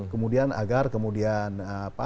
kemudian agar kemudian